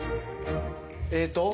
えっと。